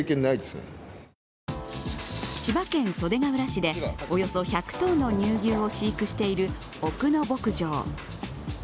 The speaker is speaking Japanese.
千葉県袖ケ浦市でおよそ１００頭の乳牛を飼育している奥野牧場。